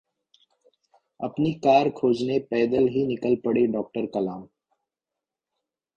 अपनी कार खोजने पैदल ही निकल पड़े डॉ. कलाम